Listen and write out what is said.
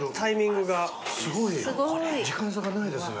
時間差がないですね。